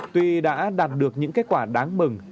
tuy đã đạt được những kết quả đáng mừng